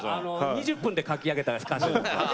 ２０分で書き上げたんです。